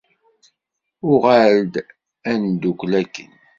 Uɣal-d ad neddukel akken.